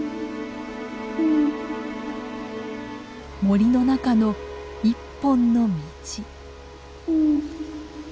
森の中の１本の道。